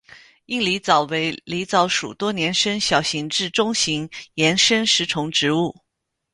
硬狸藻为狸藻属多年生小型至中型岩生食虫植物。